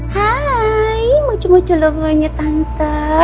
hai mucu mucu lho buahnya tante